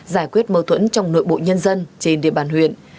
giải quyết mâu thuẫn trong nội bộ nhân dân trên địa bàn huyện